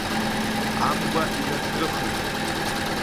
Амгәа инацрыхеит.